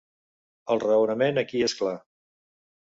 El raonament aquí és clar.